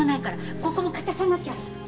ここも片さなきゃ。